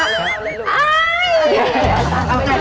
ดึงเลย